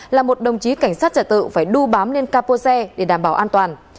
là một đồng chí cảnh sát trả tự phải đu bám lên capo xe để đảm bảo an toàn